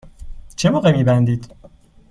چه موقع می بندید؟